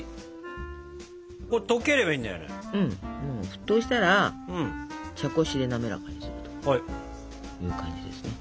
沸騰したら茶こしで滑らかにするという感じですね。